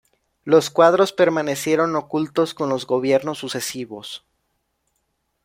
Los cuadros permanecieron ocultos con los gobiernos sucesivos.